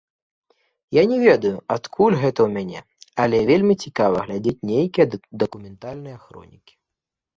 Я не ведаю, адкуль гэта ў мяне, але вельмі цікава глядзець нейкія дакументальныя хронікі.